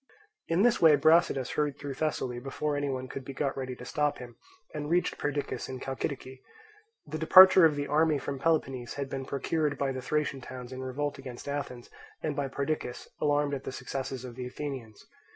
In this way Brasidas hurried through Thessaly before any one could be got ready to stop him, and reached Perdiccas and Chalcidice. The departure of the army from Peloponnese had been procured by the Thracian towns in revolt against Athens and by Perdiccas, alarmed at the successes of the Athenians.